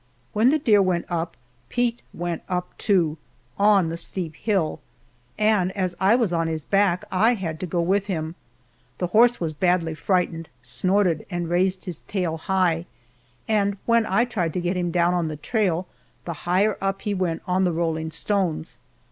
When the deer went up Pete went up, too, on the steep hill, and as I was on his back I had to go with him. The horse was badly frightened, snorted, and raised his tail high, and when I tried to get him down on the trail, the higher up he went on the rolling stones.